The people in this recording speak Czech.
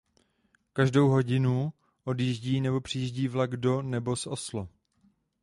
Každou hodinu odjíždí nebo přijíždí vlak do nebo z Oslo.